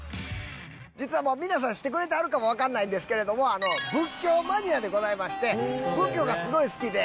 実は皆さん知ってくれてはるかも分かんないんですけれども仏教マニアでございまして仏教がすごい好きで。